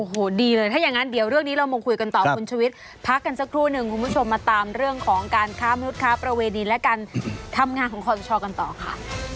โอ้โหดีเลยถ้าอย่างนั้นเดี๋ยวเรื่องนี้เรามาคุยกันต่อคุณชวิตพักกันสักครู่หนึ่งคุณผู้ชมมาตามเรื่องของการค้ามนุษย์ค้าประเวณีและการทำงานของคอสชกันต่อค่ะ